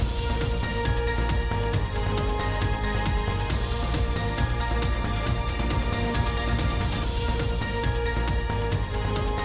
โปรดติดตามตอนต่อไป